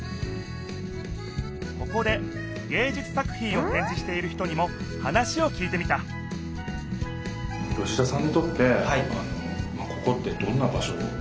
ここでげいじゅつ作ひんをてんじしている人にも話をきいてみた吉田さんにとってここってどんな場所なんですか？